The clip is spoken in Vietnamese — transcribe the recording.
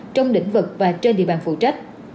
trong định vực và trên địa bàn phụ trách